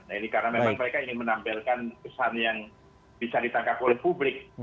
nah ini karena memang mereka ingin menampilkan pesan yang bisa ditangkap oleh publik